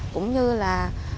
cũng như là